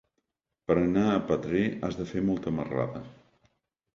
Per anar a Petrer has de fer molta marrada.